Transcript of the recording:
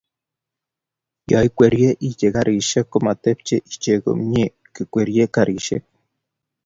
yoikwerie iche karishek komatepche iche komnyei kikwerie karishek